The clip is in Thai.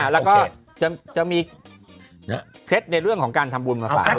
แล้วก็จะมีเคล็ดที่เรื่องของการทำบุญเมื่อฝ่า